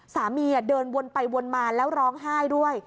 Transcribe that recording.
เดินวนไปวนมาแล้วร้องไห้ด้วย